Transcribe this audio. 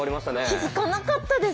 気付かなかったです。